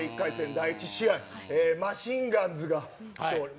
第１試合、マシンガンズが勝利。